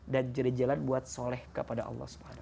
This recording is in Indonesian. dan jadi jalan buat soleh kepada allah swt